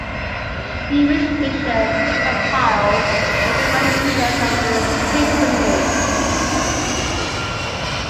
Stephen Fisher compiled a thematic index of Witt's symphonies.